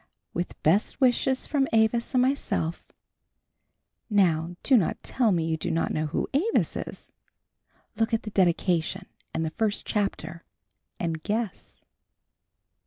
With best wishes from Avis and myself; now do not tell me that you do not know who Avis is, look at the dedication and the first chapter and guess.